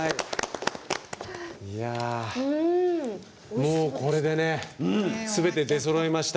もう、これでねすべて出そろいました。